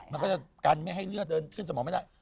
มันก็จะกันไม่ให้เลือดเดินขึ้นสมองไม่ได้